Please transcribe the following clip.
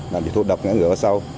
làm chị thu đập ngã ngựa ở sau